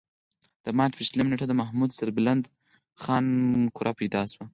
د مارچ پۀ شلمه نېټه د محمد سربلند خان کره پېدا شو ۔